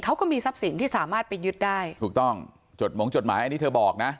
เขาก็มีทรัพย์สินที่สามารถไปยึดได้ถูกต้องจดหมงจดหมายอันนี้เธอบอกนะ